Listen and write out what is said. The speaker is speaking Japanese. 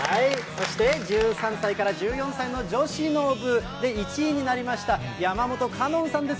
そして、１３歳から１４歳の女子の部で１位になりました山本佳音さんです。